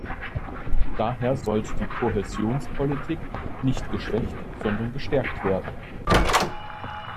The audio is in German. Daher sollte die Kohäsionspolitik nicht geschwächt sondern gestärkt werden.